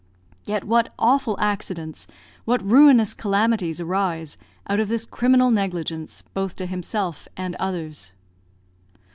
Yet what awful accidents, what ruinous calamities arise, out of this criminal negligence, both to himself and others!